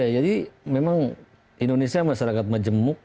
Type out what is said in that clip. jadi memang indonesia masyarakat majemuk